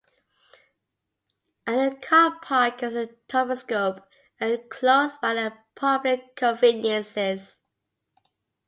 At the car park is a toposcope and close by are public conveniences.